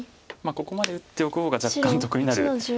ここまで打っておく方が若干得になることもあります。